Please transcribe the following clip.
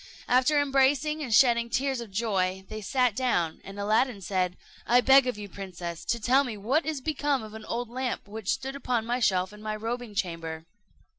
After embracing and shedding tears of joy, they sat down, and Aladdin said, "I beg of you, princess, to tell me what is become of an old lamp which stood upon a shelf in my robing chamber."